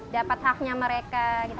dapat haknya mereka